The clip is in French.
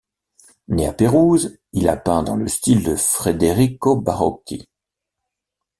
Né à Pérouse, il a peint dans le style de Federico Barocci.